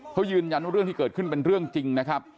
เขายืนยันว่าเรื่องที่เกิดขึ้นเป็นเรื่องจริงนะครับ